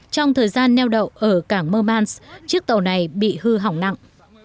trong thời gian neo đậu ở cảng murmans chiếc tàu này bị hư hỏng nặng